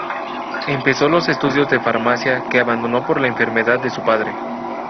Empezó los estudios de Farmacia, que abandonó por la enfermedad de su padre.